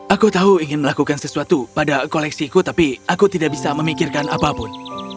aku tahu ingin melakukan sesuatu pada koleksiku tapi aku tidak bisa memikirkan apapun